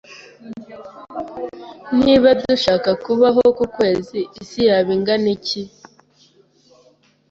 Niba dushaka kubaho ku kwezi, isi yaba ingana iki?